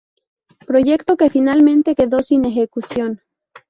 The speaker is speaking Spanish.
Proyecto que finalmente quedó sin ejecución.